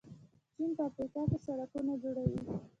چین په افریقا کې سړکونه جوړوي.